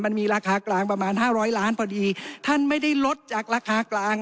มันมีราคากลางประมาณห้าร้อยล้านพอดีท่านไม่ได้ลดจากราคากลาง